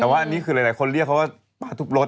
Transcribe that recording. แต่ว่าอันนี้คือหลายคนเรียกเขาว่าปลาทุบรถ